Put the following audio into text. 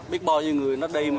biết bao nhiêu người nó đi mà